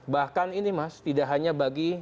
bahkan ini mas tidak hanya bagi